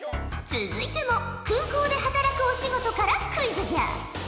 続いても空港で働くお仕事からクイズじゃ。